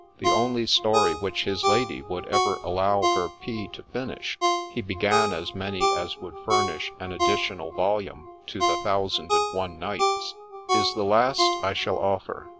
The only story which his lady would ever allow ' her P.' to finish — he began as many as would furnish an additional volume to the ' Thousand and One Nights '— is the last I shall offer.